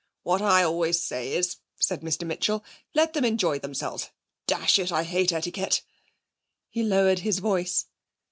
'What I always say is,' said Mr Mitchell; 'let them enjoy themselves! Dash it, I hate etiquette.' He lowered his voice.